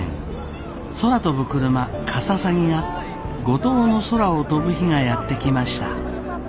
空飛ぶクルマかささぎが五島の空を飛ぶ日がやって来ました。